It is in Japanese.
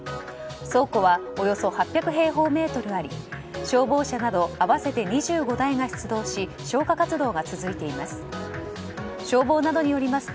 倉庫はおよそ８００平方メートルあり消防車など合わせて２５台が出動し消火活動が続いています。